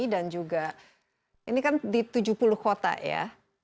dan juga ini kan di tujuh puluh kota ya